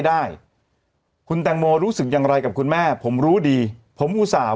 ได้คุณแตงโมรู้สึกอย่างไรกับคุณแม่ผมรู้ดีผมอุตส่าห